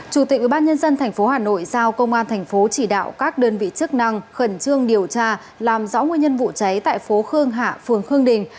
chủ tịch ubnd tp hà nội giao công an thành phố chỉ đạo các đơn vị chức năng khẩn trương điều tra làm rõ nguyên nhân vụ cháy tại phố khương hạ phường khương đình